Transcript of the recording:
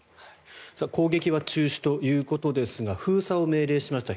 攻撃は中止ということですが封鎖を命令しました。